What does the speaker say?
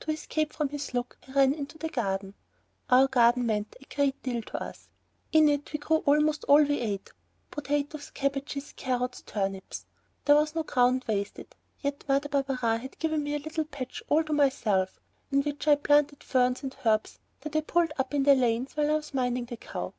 To escape from his look I ran into the garden. Our garden meant a great deal to us. In it we grew almost all that we ate potatoes, cabbages, carrots, turnips. There was no ground wasted, yet Mother Barberin had given me a little patch all to myself, in which I had planted ferns and herbs that I had pulled up in the lanes while I was minding the cow.